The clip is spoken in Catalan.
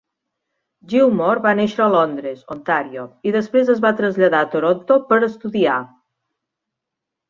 Gilmour va néixer a Londres, Ontario, i després es va traslladar a Toronto per estudiar.